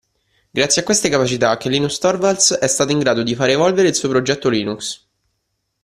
Grazie a queste capacità che Linus Torvalds è stato in grado di far evolvere il suo progetto Linux.